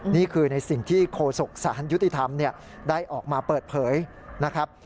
นี่คือในสิ่งที่โคศกสารยุติธรรมได้ออกมาเปิดเผยนะครับ